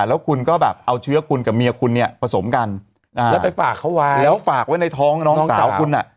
แล้วคุณก็แบบเอาเชื้อคุณกับเมียคุณเนี่ยผสมกันแล้วไปฝากเขาไว้แล้วฝากไว้ในท้องน้องสาวคุณอ่ะ